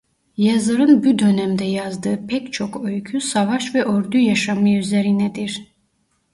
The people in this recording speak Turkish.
Yazarın bu dönemde yazdığı pek çok öykü savaş ve ordu yaşamı üzerinedir.